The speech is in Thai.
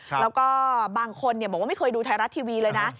แล้วก็บางคนบอกว่าไม่เคยดูไทยรัฐทีวีเลยนะ